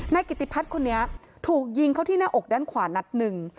กิติพัฒน์คนนี้ถูกยิงเข้าที่หน้าอกด้านขวานัดหนึ่ง